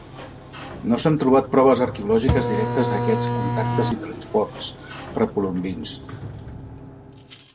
No s'han trobat proves arqueològiques directes d'aquests contactes i transports precolombins.